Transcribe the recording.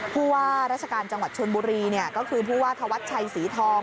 ผู้ว่าราชการจังหวัดชนบุรีก็คือผู้ว่าธวัชชัยศรีทอง